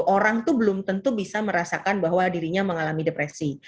orang itu belum tentu bisa merasakan bahwa dirinya mengalami depresi